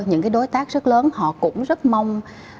những đối tác rất lớn họ cũng rất mong